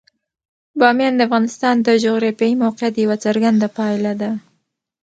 بامیان د افغانستان د جغرافیایي موقیعت یوه څرګنده پایله ده.